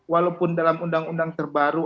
walaupun dalam undang undang terbaru